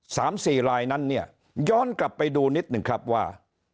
สามสี่ลายนั้นเนี่ยย้อนกลับไปดูนิดหนึ่งครับว่า